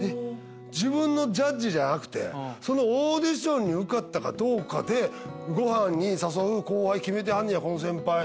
自分のジャッジじゃなくてそのオーディションに受かったかどうかでごはんに誘う後輩決めてはんねやこの先輩！